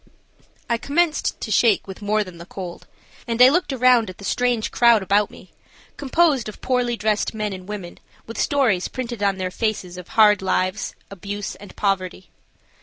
I commenced to shake with more than the cold, and I looked around at the strange crowd about me, composed of poorly dressed men and women with stories printed on their faces of hard lives, abuse and poverty.